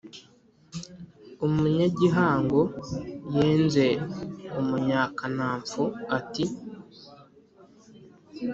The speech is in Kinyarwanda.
u munyagihango yenze umunyakanapfu ati